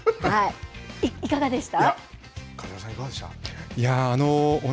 いかがでした。